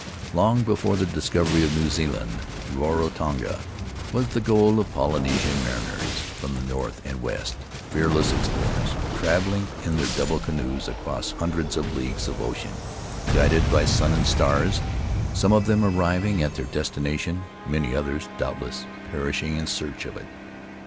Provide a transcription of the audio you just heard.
Long before the discovery of New Zealand Rarotonga was the goal of Polynesian mariners from the north and west — fearless explorers traveling in their double canoes across hundreds of leagues of ocean, guided by sun and stars, some of them arriving at their destination, many others, doubtless, perishing in search of it.